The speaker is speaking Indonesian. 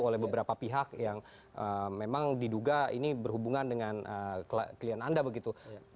oleh beberapa pihak yang memang diduga ini berhubungan dengan klien anda begitu